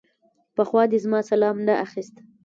پخوا دې زما سلام نه اخيست.